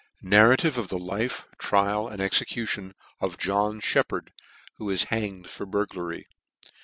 Narrative of the Life, Trial, and Execution of JOHN SHEPPARD, who was hanged for Bur glary.